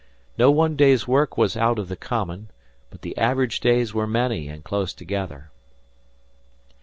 No one day's work was out of common, but the average days were many and close together.